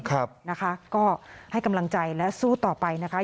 ก็ให้กำลังใจและสู้ต่อไปนะครับ